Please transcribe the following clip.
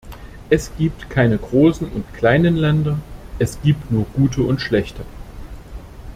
Es gibt keine großen und kleinen Länder, es gibt nur gute und schlechte.